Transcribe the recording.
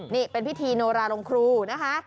นี่เป็นพิธีโนราลงครูนะคะ